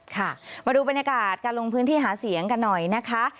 ค่ะมาดูบรรยากาศการลงพื้นที่หาเสียงกันหน่อยนะคะ